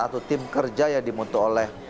atau tim kerja yang dimuntuh oleh